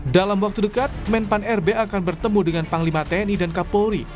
dalam waktu dekat menpan rb akan bertemu dengan panglima tni dan kapolri